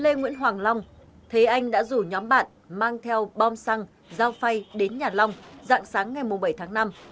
thầy lê nguyễn hoàng long thầy anh đã rủ nhóm bạn mang theo bom xăng dao phay đến nhà long dặn sáng ngày bảy tháng năm